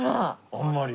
あんまり。